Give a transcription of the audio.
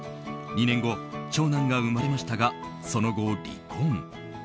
２年後、長男が生まれましたがその後離婚。